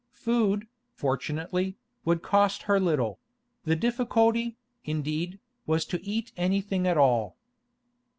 Food, fortunately, would cost her little; the difficulty, indeed, was to eat anything at all.